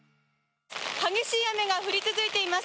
激しい雨が降り続いています。